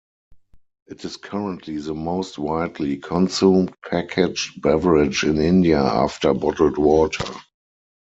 It is currently the most widely consumed packaged beverage in India, after bottled water.